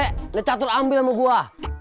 udah catur ambil sama buah